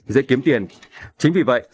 dễ kiếm tiền chính vì vậy